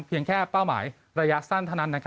เพียงแค่เป้าหมายระยะสั้นเท่านั้น